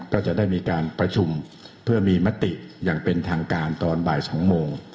ก็จะได้มีการประชุมเพื่อมีมติอย่างเป็นทางการตอนบ่าย๒โมง